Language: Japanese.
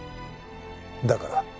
だから？